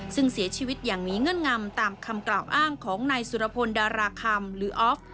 ซึ่งเสียชีวิตอย่างมีเงื่อนงำตามคำกล่าวอ้างของนายสุรพลดาราคำหรือออฟ